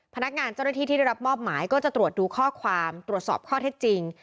พนักงานเจ้าหน้าที่ที่ได้รับมอบหมายก็จะตรวจดูข้อความตรวจสอบข้อเท็จจริง